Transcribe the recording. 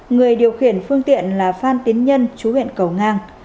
người điều khiển phương tiện là phan tiến nhân chú huyện cầu ngang